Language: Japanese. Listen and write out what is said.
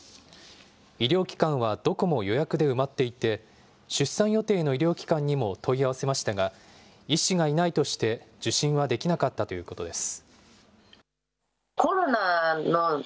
医療機関はどこも予約で埋まっていて、出産予定の医療機関にも問い合わせましたが、医師がいないとして受診はできなかったということです。